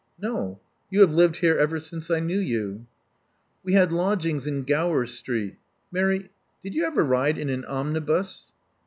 No. You have lived here ever since I knew you." We had lodgings in Gower Street. Mary, did you ever ride in an omnibus?"